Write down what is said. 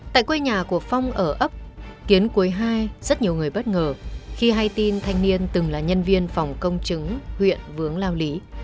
tại quê nhà của phong ở ấp kiến quế hai rất nhiều người bất ngờ khi hay tin thanh niên từng là nhân viên phòng công chứng huyện vướng lao lý